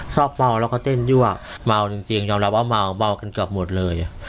ชอบเมาแล้วก็เต้นยั่วเมาจริงยอมรับว่าเมากันเกือบหมดเลย